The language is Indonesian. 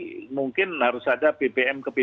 kita harus menginginkan supaya jangka panjang nanti